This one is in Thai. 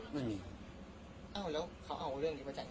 ไม่มีครับ